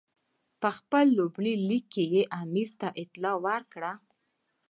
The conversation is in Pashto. په خپل لومړي لیک کې یې امیر ته اطلاع ورکړه.